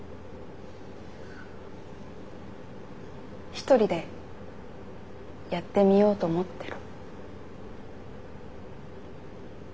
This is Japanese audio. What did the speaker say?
一人でやってみようと思ってる。